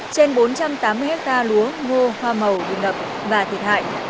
trên bốn trăm tám mươi hectare lúa ngô hoa màu bình đập và thiệt hại